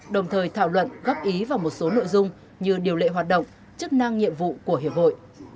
đồng thời thảo luận góp ý vào một số nội dung như điều lệ hoạt động chức năng nhiệm vụ của hiệp hội